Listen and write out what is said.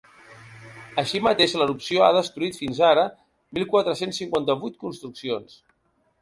Així mateix, l’erupció ha destruït fins ara mil quatre-cents cinquanta-vuit construccions.